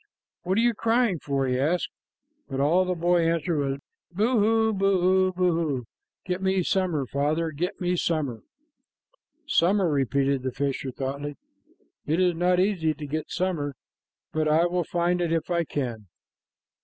"What are you crying for?" he asked, but all the boy answered was "Boo hoo, boo hoo! Get me summer, father, get me summer!" "Summer," repeated the fisher thoughtfully. "It is not easy to get summer, but I will find it if I can."